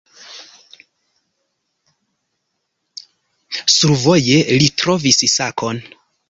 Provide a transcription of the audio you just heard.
Survoje li trovis sakon.